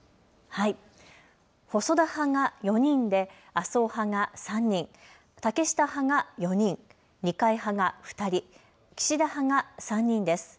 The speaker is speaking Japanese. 細田派が４人で麻生派が３人、竹下派が４人、二階派が２人、岸田派が３人です。